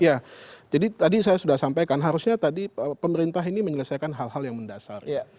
ya jadi tadi saya sudah sampaikan harusnya tadi pemerintah ini menyelesaikan hal hal yang mendasar